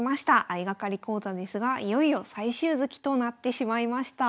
相掛かり講座ですがいよいよ最終月となってしまいました。